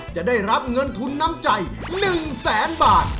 จะได้รับเงินทุนน้ำใจ๑แสนบาท